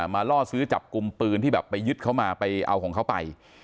ล่อซื้อจับกลุ่มปืนที่แบบไปยึดเขามาไปเอาของเขาไป